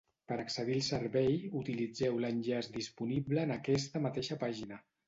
Per accedir al servei, utilitzeu l'enllaç disponible en aquesta mateixa pàgina.